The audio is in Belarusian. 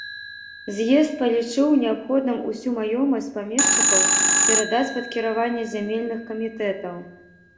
З'езд палічыў неабходным усю маёмасць памешчыкаў перадаць пад кіраванне зямельных камітэтаў.